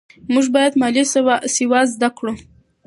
موږ باید مالي سواد زده کړو.